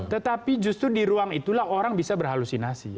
tetapi justru di ruang itulah orang bisa berhalusinasi